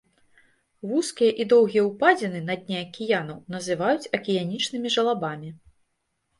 Вузкія і доўгія ўпадзіны на дне акіянаў называюць акіянічнымі жалабамі.